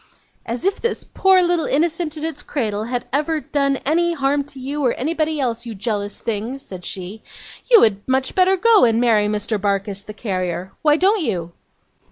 'As if this poor little innocent in its cradle had ever done any harm to you or anybody else, you jealous thing!' said she. 'You had much better go and marry Mr. Barkis, the carrier. Why don't you?